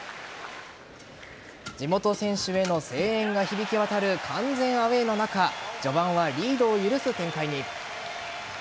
地元選手への声援が響き渡る完全アウェーの中序盤はリードを許す展開に。